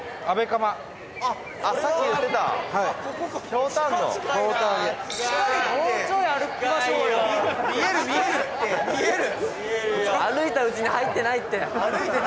玉森：歩いたうちに入ってないって。